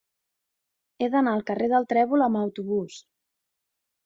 He d'anar al carrer del Trèvol amb autobús.